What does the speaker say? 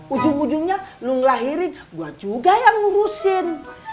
ujung ujungnya lu ngelahirin buat juga yang ngurusin